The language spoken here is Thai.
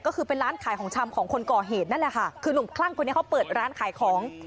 ก็คือเป็นร้านขายของชำของคนก่อเหตุนั่นแหละค่ะคือหนุ่มคลั่งคนนี้เขาเปิดร้านขายของ